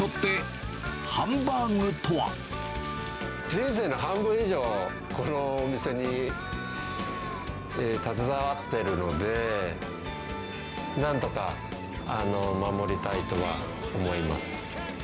人生の半分以上、このお店に携わっているので、なんとか守りたいとは思います。